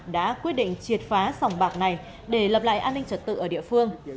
đã quyết định triệt phá sòng bạc này để lập lại an ninh trật tự ở địa phương